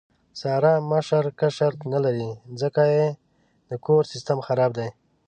ساره مشر کشر نه لري، ځکه یې د کور سیستم خراب دی.